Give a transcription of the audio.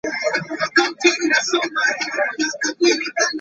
The city of Hillsdale has annexed land in the southern portion of the township.